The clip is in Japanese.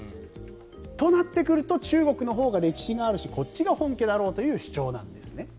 となってくると、中国のほうが歴史があるしこっちが本家だろうという主張なんですね。